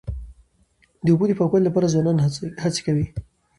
د اوبو د پاکوالي لپاره ځوانان هڅې کوي.